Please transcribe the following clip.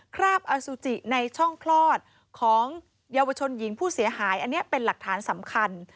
คราบอสุจิในช่องคลอดของเยาวชนหญิงผู้เสียหายอันนี้เป็นหลักฐานสำคัญ